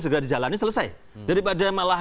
segera dijalani selesai daripada malah